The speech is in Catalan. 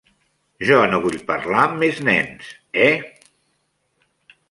Jo no vull parlar amb més nens, eh?